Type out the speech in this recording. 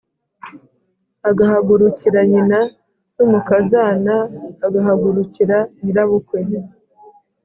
agahagurukira nyina n umukazana agahagurukira nyirabukwe